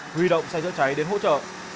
huy động xe chứa cháy đến hỗ trợ